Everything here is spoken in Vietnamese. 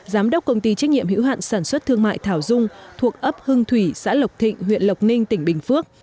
giám đốc công ty trách nhiệm hữu hạn sản xuất thương mại thảo dung thuộc ấp hưng thủy xã lộc thịnh huyện lộc ninh tỉnh bình phước